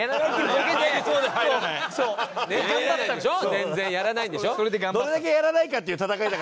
全然やらないんでしょ？